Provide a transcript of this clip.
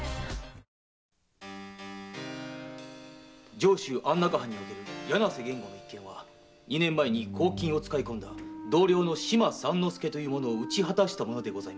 上州安中藩における柳瀬源吾の一件は二年前に公金を使い込んだ同僚の島三之介を討ち果たしたものです。